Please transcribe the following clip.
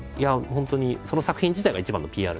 本当にその作品自体が一番のＰＲ